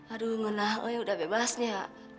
aduh ngenahnya udah bebasnya